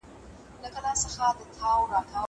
زه پرون بازار ته ځم وم.